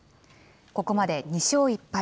ここまで２勝１敗。